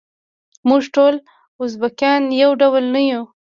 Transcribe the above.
موږ ټول ازبیکان یو ډول نه یوو.